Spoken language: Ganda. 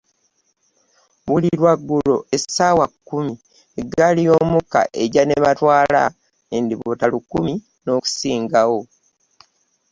Buli lwaggulo essaawa kkumi, eggaali y'omukka ejja ne batwala endibota lukumi n'okusingawo.